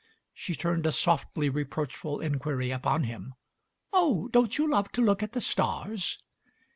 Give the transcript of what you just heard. She turned a softly reproachful inquiry upon him. "Oh, don't you love to look at the stars?"